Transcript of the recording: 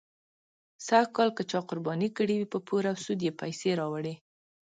سږکال که چا قرباني کړې وي، په پور او سود یې پیسې راوړې.